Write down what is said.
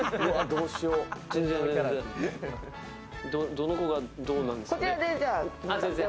どの子がどうなんすかね。